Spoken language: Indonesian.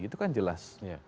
itu kan jelas